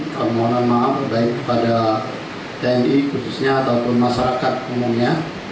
kami mohon maaf baik kepada tni khususnya ataupun masyarakat umumnya